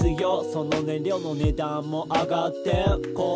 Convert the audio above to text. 「その燃料の値段も上がってる」